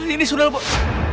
ini sundel bolong